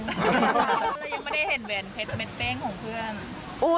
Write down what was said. แล้วยังไม่ได้เห็นเวลาเผ็ดเบ้งของเพื่อน